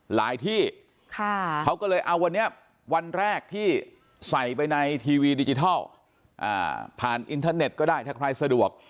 ที่เขาก็เลยเอาวันนี้วันแรกที่ใส่ไปในทีวีดิจิทัลผ่านอินเทอร์เน็ตก็ได้ถ้าใครสะดวก